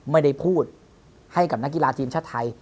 ไม่ได้พูดให้กับนักกีฬาทีมชาติไทย